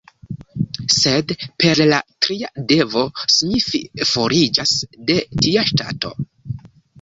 Sed per la tria devo Smith foriĝas de tia ŝtato.